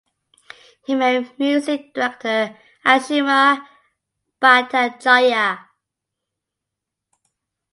He married music director Ashima Bhattacharya.